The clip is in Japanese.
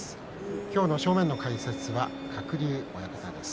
今日の正面の解説は鶴竜親方です。